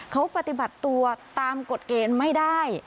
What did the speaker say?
เขาปฏิบัติตัวตามกฎเกณฑ์ไม่ได้